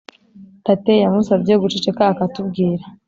tate yamusabye guceceka akatubwira.